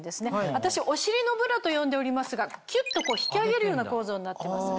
私お尻のブラと呼んでおりますがキュっと引き上げるような構造になってます。